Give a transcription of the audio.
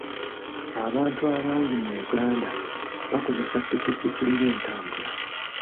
Abantu abangi mu Uganda bakozesa pikipiki ng'entambula.